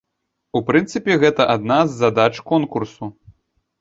У прынцыпе, гэта адна з задач конкурсу.